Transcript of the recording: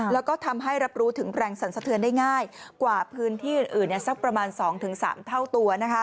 แล้วก็ทำให้รับรู้ถึงแรงสรรสะเทือนได้ง่ายกว่าพื้นที่อื่นสักประมาณ๒๓เท่าตัว